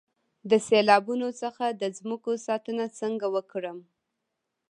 د سیلابونو څخه د ځمکو ساتنه څنګه وکړم؟